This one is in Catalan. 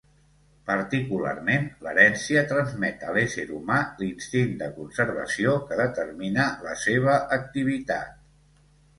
Particularment, l'herència transmet a l'ésser humà l'instint de conservació, que determina la seva activitat.